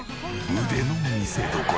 腕の見せどころ。